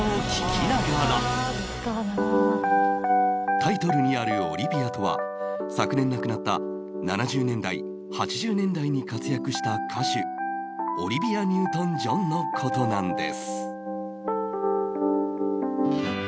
タイトルにある「オリビア」とは昨年亡くなった７０年代８０年代に活躍した歌手オリビア・ニュートン・ジョンの事なんです